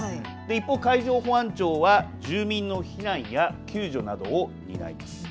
一方、海上保安庁は住民の避難や救助などを担います。